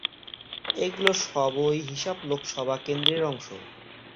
এগুলি সবই হিসার লোকসভা কেন্দ্রের অংশ।